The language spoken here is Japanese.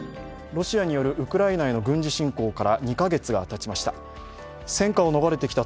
ロシアによるウクライナへの軍事侵攻から２カ月がたちました。